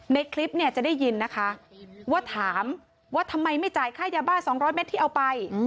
ในคลิปเนี่ยจะได้ยินนะคะว่าถามว่าทำไมไม่จ่ายค่ายาบ้า๒๐๐เมตรที่เอาไป